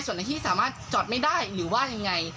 ส่วนในที่สามารถจอดไม่ได้หรือว่ายังไง